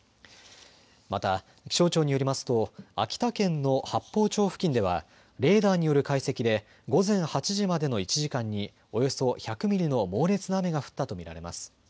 また、気象庁によりますと、秋田県の八峰町付近では、レーダーによる解析で、午前８時までの１時間に、およそ１００ミリの猛烈な雨が降ったと見られます。